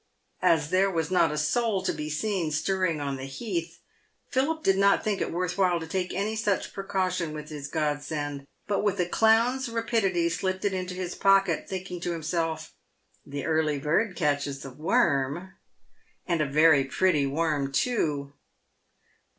As there was not a soul to be seen stirring on the heath, Philip did not think it worth while to take any such precaution with his god Bend, but with a clown's rapidity slipped it into his pocket, thinking to himself " the early bird catches the early worm," and a very pretty worm too.